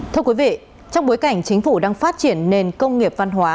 thưa quý vị trong bối cảnh chính phủ đang phát triển nền công nghiệp văn hóa